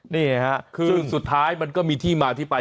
ซึ่งสุดท้ายมันก็มีที่มาที่ไป